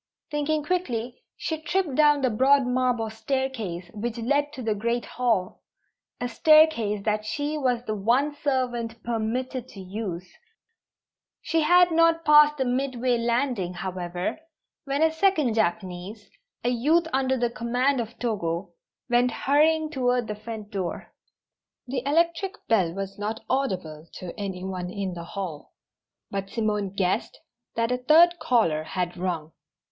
Thinking quickly, she tripped down the broad marble staircase which led to the great hall a staircase that she was the one servant permitted to use. She had not passed the midway landing, however, when a second Japanese a youth under the command of Togo went hurrying toward the front door. The electric bell was not audible to any one in the hall, but Simone guessed that a third caller had rung.